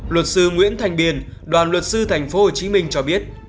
luật sư nguyễn thành biên đoàn luật sư tp hcm cho biết